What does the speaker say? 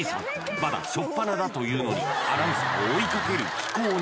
まだ初っぱなだというのにアナウンサーを追いかける奇行に！